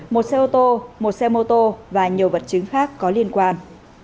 một xe ô tô một xe mô tô và nhiều vật chứng khác có liên quan